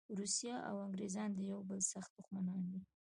روسیه او انګریزان د یوه بل سخت دښمنان دي.